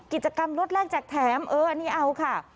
กิจกรรมรถแรกแจกแถมเอออันนี้เอาค่ะ